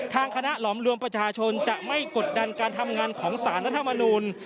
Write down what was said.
ทางคณะหลอมรวมประชาชนจะไม่กดดันการทำงานของสารรัฐมนูล